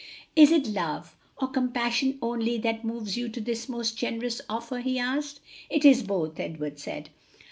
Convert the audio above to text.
"Is it love or compassion only that moves you to this most generous offer?" he asked. "It is both," Edward said.